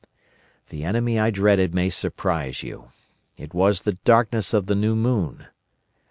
"The enemy I dreaded may surprise you. It was the darkness of the new moon.